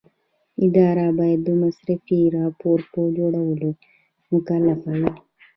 اداره باید د مصرفي راپور په جوړولو مکلفه وي.